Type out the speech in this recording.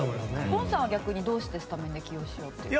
ゴンさんは、逆にどうしてスタメンで起用しようと？